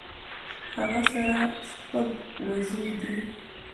هغۀ سره شپږ وزې دي